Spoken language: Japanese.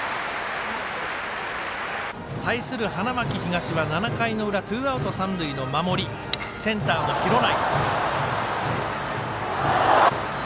対する花巻東は７回の裏ツーアウト、三塁の守り、センターの廣内。